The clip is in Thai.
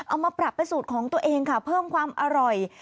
เอามาปรับเป็นสูตรของตัวเองค่ะเพิ่มความอร่อย